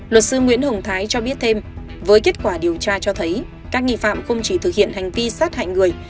luật sư nguyễn hồng thái cho biết thêm với kết quả điều tra cho thấy các nghi phạm không chỉ thực hiện hành vi sát hại người